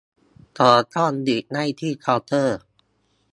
ช้อนส้อมหยิบได้ที่เคาน์เตอร์